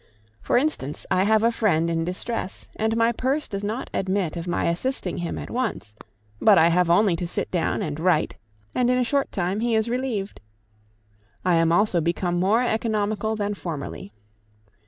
For instance, I have a friend in distress, and my purse does not admit of my assisting him at once; but I have only to sit down and write, and in a short time he is relieved. I am also become more economical than formerly.